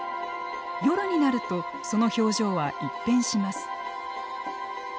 夜になるとその表情は一変します。